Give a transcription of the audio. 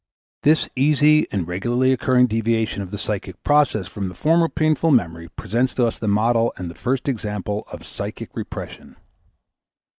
This easy and regularly occurring deviation of the psychic process from the former painful memory presents to us the model and the first example of psychic repression.